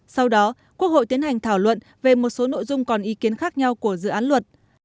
sau đó quốc hội tiến hành thảo luận về một số nội dung còn ý kiến khác nhau của dự án luật